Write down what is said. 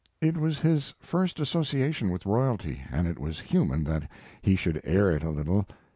It was his first association with royalty, and it was human that he should air it a little.